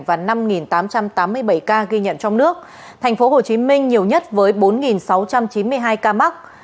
và năm tám trăm tám mươi bảy ca ghi nhận trong nước tp hcm nhiều nhất với bốn sáu trăm chín mươi hai ca mắc